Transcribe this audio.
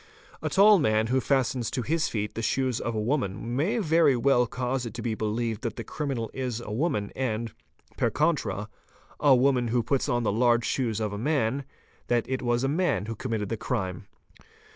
'A tall man who fastens to his feet the shoes of a woman may very well cause it to be believed that the criminal is a woman and, per contra, a woman who puts on the large shoes of a man, that it was a man who "committed the crime.